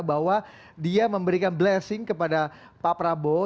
bahwa dia memberikan blessing kepada pak prabowo